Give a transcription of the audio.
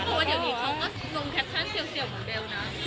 เพราะว่าเดี๋ยวนี้เขาก็ลงแคปชั่นเซียวเหมือนเบลนะ